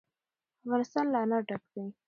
افغانستان له انار ډک دی.